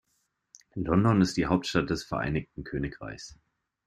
London ist die Hauptstadt des Vereinigten Königreichs.